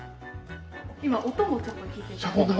今音もちょっと聞いて頂いて。